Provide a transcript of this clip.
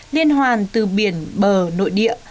liên hoàn từ biển bờ nội địa